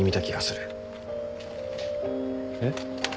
えっ？